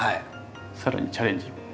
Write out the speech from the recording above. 更にチャレンジ。